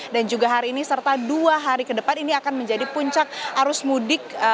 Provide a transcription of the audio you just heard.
dan juga hari ini serta dua hari ke depan ini akan menjadi puncak arus mudik